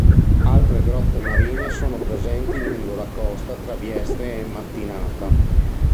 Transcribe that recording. Altre grotte marine sono presenti lungo la costa tra Vieste e Mattinata.